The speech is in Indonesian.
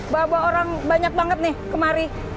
bawa orang banyak banget nih kemari